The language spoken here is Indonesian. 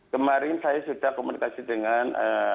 kemarin saya sudah komunikasi dengan